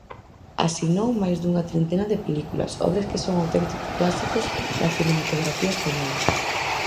Asinou máis dunha trintena de películas, obras que son auténticos clásicos da cinematografía española.